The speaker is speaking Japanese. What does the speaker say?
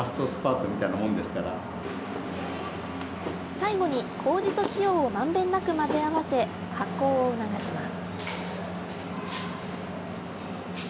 最後に、こうじと塩をまんべんなく混ぜ合わせ発酵を促します。